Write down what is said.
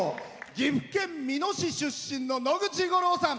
岐阜県美濃市出身の野口五郎さん。